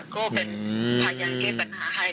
ก็เป็นพยายามแก้ปัญหาให้